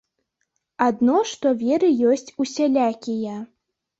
Адно што веры ёсць усялякія.